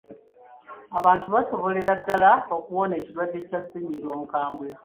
Abantu basobolera ddala okuwona ekirwadde kya ssennyiga omukambwe.